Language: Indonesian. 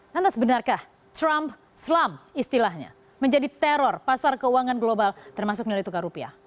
lantas benarkah trump slam istilahnya menjadi teror pasar keuangan global termasuk nilai tukar rupiah